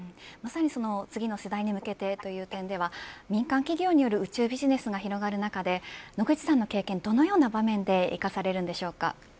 次の世代に向けてという点では民間企業による宇宙ビジネスが広がる中で野口さんの経験は、どのような場面で生かされるのでしょうか。